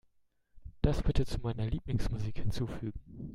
Das bitte zu meiner Lieblingsmusik hinzufügen.